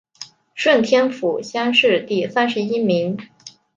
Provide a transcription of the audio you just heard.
顺天府乡试第三十一名。